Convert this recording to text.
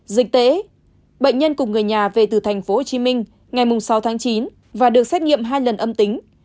dịch tễ bệnh nhân cùng người nhà về từ tp hcm ngày sáu tháng chín và được xét nghiệm hai lần âm tính